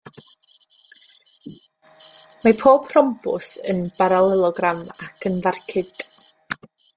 Mae pob rhombws yn baralelogram ac yn farcud.